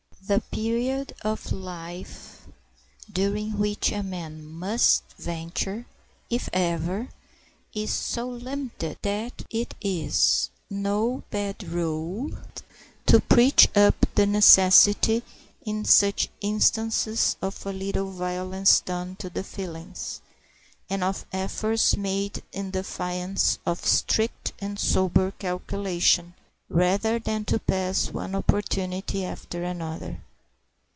The period of life during which a man must venture, if ever, is so limited that it is no bad rule to preach up the necessity in such instances of a little violence done to the feelings, and of efforts made in defiance of strict and sober calculation, rather than to pass one opportunity after another.